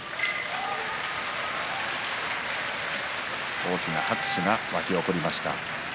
大きな拍手が沸き起こりました。